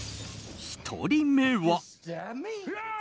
１人目は。